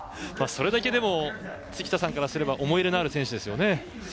それだけでも附田さんからすれば思い入れのある選手ですね。